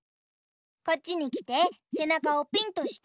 こっちにきてせなかをピンとして！